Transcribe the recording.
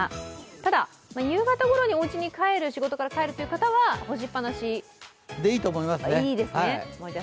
ただ、夕方ごろに仕事から帰るという方は干しっぱなし、いいですね。